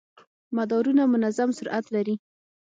مدارونه منظم سرعت لري.